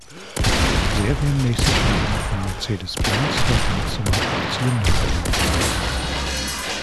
Serienmäßig wurden von Mercedes-Benz dort maximal acht Zylinder verbaut.